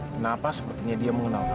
kenapa sepertinya dia mengenal